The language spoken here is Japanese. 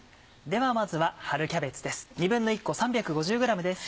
ではまずは春キャベツです